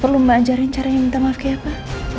perlu mbak ajarin caranya minta maaf kayak apa